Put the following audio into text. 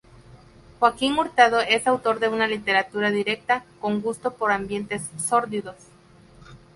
Joaquín Hurtado es autor de una literatura directa, con gusto por ambientes sórdidos.